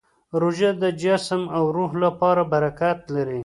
روژه د جسم او روح لپاره برکت لري.